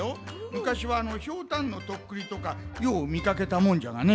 むかしはひょうたんのとっくりとかようみかけたもんじゃがね。